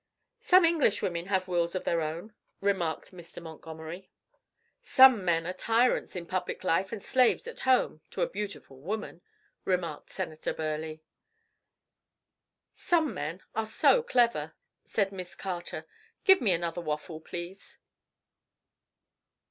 "Some Englishwomen have wills of their own," remarked Mr. Montgomery. "Some men are tyrants in public life and slaves at home to a beautiful woman," remarked Senator Burleigh. "Some men are so clever," said Miss Carter. "Give me another waffle, please."